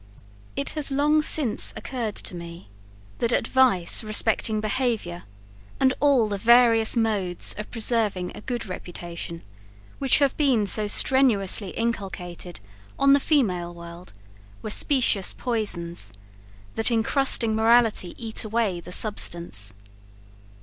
It has long since occurred to me, that advice respecting behaviour, and all the various modes of preserving a good reputation, which have been so strenuously inculcated on the female world, were specious poisons, that incrusting morality eat away the substance.